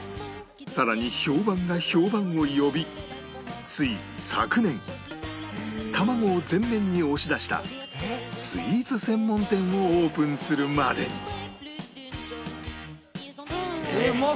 さらに評判が評判を呼びついに昨年卵を前面に押し出したスイーツ専門店をオープンするまでに